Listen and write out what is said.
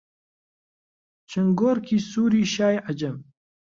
چنگۆڕکی سووری شای عەجەم...